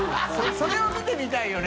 それを見てみたいよね。